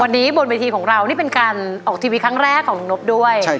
วันนี้บนเวทีของเรานี่เป็นการออกทีวีครั้งแรกของลุงนบด้วย